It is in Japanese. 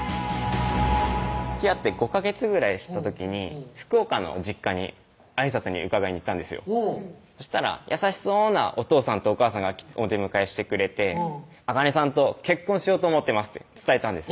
つきあって５ヵ月ぐらいした時に福岡の実家にあいさつに伺いに行ったんですよそしたら優しそうなおとうさんとおかあさんがお出迎えしてくれて「茜さんと結婚しようと思ってます」って伝えたんです